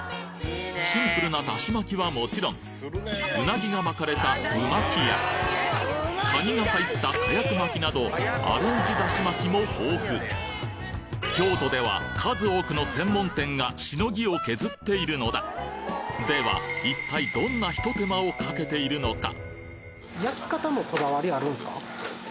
シンプルなだし巻きはもちろんうなぎが巻かれたう巻きやかにが入ったかやく巻きなどアレンジだし巻きも豊富京都では数多くの専門店がしのぎを削っているのだでは一体どんなひと手間をかけているのか？